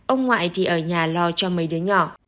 ông ngoại thì ở nhà lo cho mấy đứa nhỏ